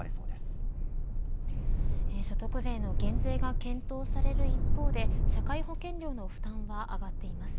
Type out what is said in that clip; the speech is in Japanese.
所得税の減税が検討される一方で社会保険料の負担は上がっています。